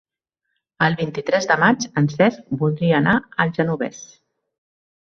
El vint-i-tres de maig en Cesc voldria anar al Genovés.